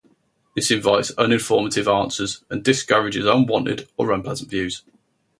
This invites uninformative answers and discourages unwanted or unpleasant views.